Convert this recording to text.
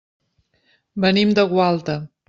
Venim de Gualta.